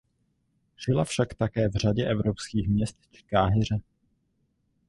Žila však také v řadě evropských měst či Káhiře.